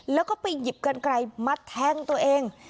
แล้วก็ไปหยิบกันไกลมาแทงตัวเอง